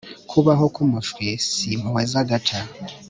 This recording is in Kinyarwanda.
kubaho kumushwi si impuhwe za gaca